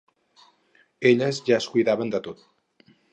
Elles ja es cuidaven de tot.